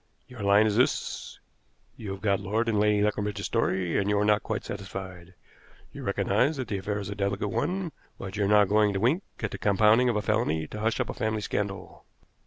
Your line is this: You have got Lord and Lady Leconbridge's story, and you are not quite satisfied. You recognize that the affair is a delicate one, but you are not going to wink at the compounding of a felony to hush up a family scandal."